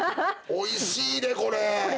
おいしいで、これ。